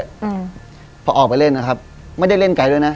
อืมพอออกไปเล่นนะครับไม่ได้เล่นไกลด้วยนะ